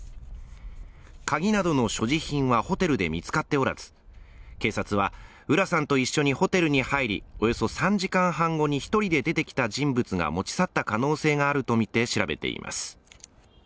鍵などの所持品はホテルで見つかっておらず、警察は浦さんと一緒にホテルに入り、およそ３時間半後に１人で出てきた人物が持ち去った可能性があるとみて調べています。